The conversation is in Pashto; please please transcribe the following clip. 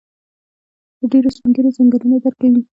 د ډيرو سپين ږيرو ځنګنونه درد کوي.